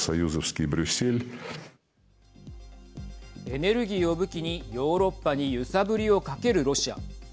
エネルギーを武器にヨーロッパに揺さぶりをかけるロシア。